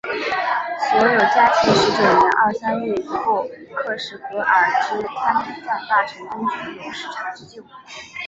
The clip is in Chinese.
所有嘉庆十九年二三月以后喀什噶尔之参赞大臣等均有失察之咎。